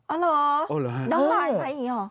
อ๋อเหรอน้องร้านไทยอย่างนี้หรอ